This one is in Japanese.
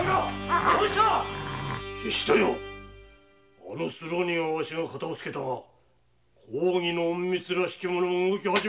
あの浪人はわしが片をつけたが公儀の隠密らしき者が動き始めておるぞ！